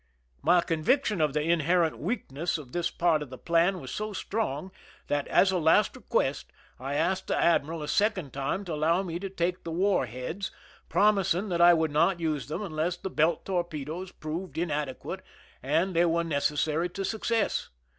My conviction of the inherent weakness of this part of the plan was so strong that, as a last request, I asked the admiral a second time to allow me to take the war heads, promising that I would not use them unless the belt torpedoes proved inadequate and they were necessary to success.